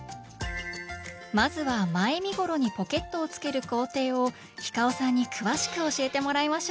まずは前身ごろにポケットをつける工程をｈｉｃａｏさんに詳しく教えてもらいましょう！